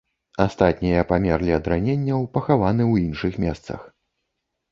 Астатнія памерлі ад раненняў пахаваны ў іншых месцах.